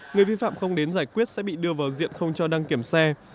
người vi phạm không đến giải quyết sẽ bị đưa vào diện không cho đăng kiểm xe